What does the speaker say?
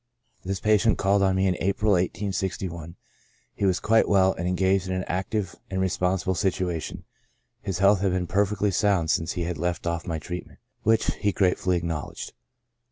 This patient called on me in April, 1861 ; he was quite 70 CHRONIC ALCOHOLISM. well, and engaged in an active and responsible situation. His health had been perfectly sound since he had left ofF my treatment, which he gratefully acknowledged.